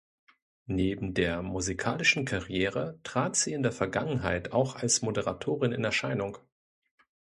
Neben der musikalischen Karriere trat sie in der Vergangenheit auch als Moderatorin in Erscheinung.